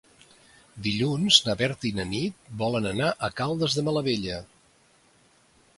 Dilluns na Berta i na Nit volen anar a Caldes de Malavella.